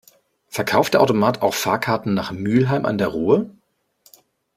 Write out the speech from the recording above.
Verkauft der Automat auch Fahrkarten nach Mülheim an der Ruhr?